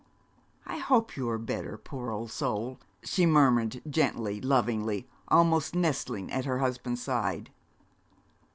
'I hope you are better, poor old soul,' she murmured, gently, lovingly almost, nestling at her husband's side.